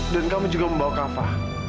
dan kamu juga membawa kava